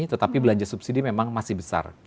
tetapi belanja subsidi memang masih besar